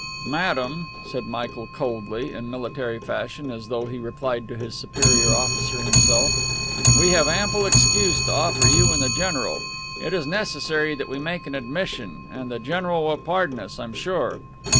"Madame," said Michael, coldly, in military fashion, as though he replied to his superior officer himself, "we have ample excuse to offer you and the general. It is necessary that we make an admission, and the general will pardon us, I am sure.